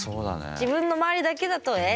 自分の周りだけだとええ？